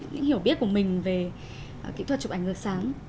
những hiểu biết của mình về kỹ thuật chụp ảnh ngược sáng